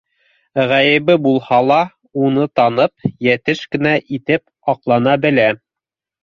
Ғәйебе булһа ла, уны танып, йәтеш кенә итеп аҡлана белә.